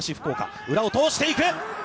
裏を通していく。